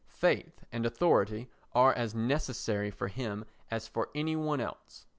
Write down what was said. Faith and authority are as necessary for him as for any one else.